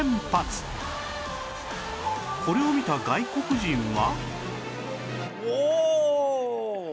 これを見た外国人は？